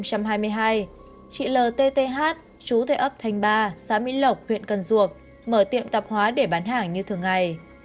chị l t t h chú thầy ấp thanh ba xã mỹ lộc huyện cần ruột mở tiệm tạp hóa để bán hàng như thường ngày